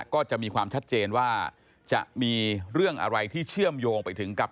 ก็จะมีความชัดเจนว่าจะมีเรื่องอะไรที่เชื่อมโยงไปถึงกับ